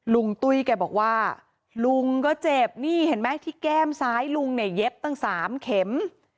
ตุ้ยแกบอกว่าลุงก็เจ็บนี่เห็นไหมที่แก้มซ้ายลุงเนี่ยเย็บตั้ง๓เข็ม